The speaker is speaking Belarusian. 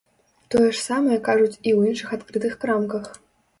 Тое ж самае кажуць і ў іншых адкрытых крамках.